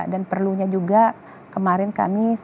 dan perlunya juga kemarin kami